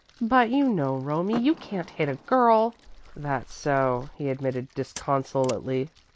"But you know, Romie, you can't hit a girl." "That's so," he admitted disconsolately.